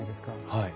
はい。